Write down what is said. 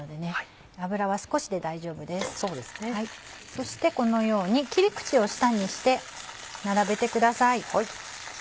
そしてこのように切り口を下にして並べてください。